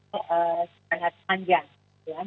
menjadi sangat panjang